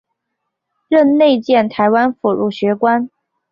任内建台湾府儒学宫。